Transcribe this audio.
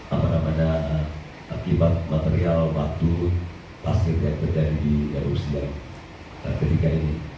apa apa ada akibat material batu pasir yang terjadi di rukusia ketika ini